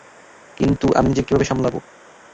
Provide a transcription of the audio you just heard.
কিন্তু আমি নিজেকে কীভাবে সামলাবো।